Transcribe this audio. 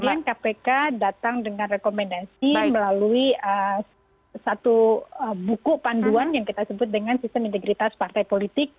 memang kpk datang dengan rekomendasi melalui satu buku panduan yang kita sebut dengan sistem integritas partai politik